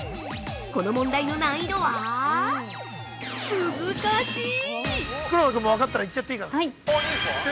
この問題の難易度はむずかしい。